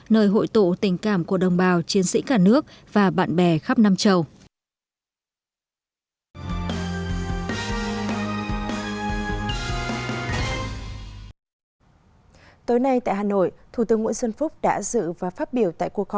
nơi hội tụ tình cảm của đồng bào chiến sĩ cả nước và bạn bè khắp năm chầu